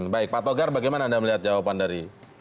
baik pak togar bagaimana anda melihat jawaban dari